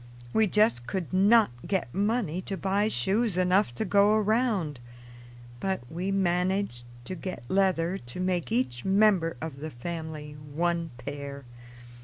We just could not get money to buy shoes enough to go around, but we managed to get leather to make each member of the family one pair.